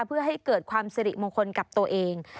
เพื่อให้เกิดความสิริมงคลกับตัวเอง